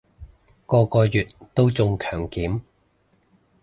個個月都中強檢